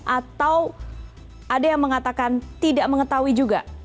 atau ada yang mengatakan tidak mengetahui juga